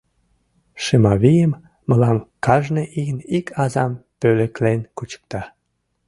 Шымавием мылам кажне ийын ик азам пӧлеклен кучыкта.